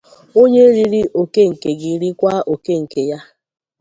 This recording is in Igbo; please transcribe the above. Onye iriri oke nke gị rikwa oke nke ya